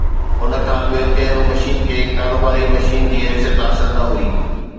ان کان اڳ ڪنهن به مشين کي ڪاروباري مشين جي حيثيت حاصل نه هئي